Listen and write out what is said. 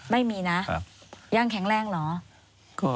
ไม่มีนะยังแข็งแรงเหรอ